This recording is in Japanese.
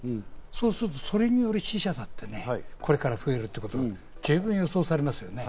そうするとそれにより死者だってね、これから増えるということが十分予想されますね。